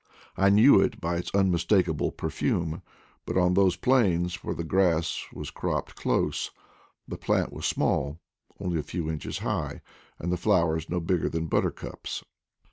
I knew it by its unmistakable perfume, but on those plains, where the grass was cropped close, the plant was small, only a few inches high, and the flowers no bigger than buttercups.